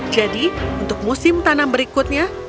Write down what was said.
jadi untuk musim tanam berikutnya